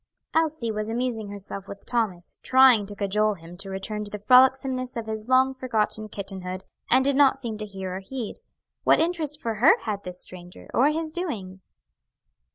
Elsie was amusing herself with Thomas, trying to cajole him to return to the frolicsomeness of his long forgotten kittenhood, and did not seem to hear or heed. What interest for her had this stranger, or his doings?